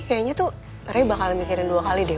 kayaknya tuh ray bakal mikirin dua kali deh